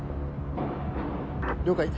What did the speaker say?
了解。